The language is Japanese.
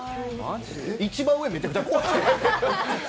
一番上、めちゃくちゃ怖くないですか？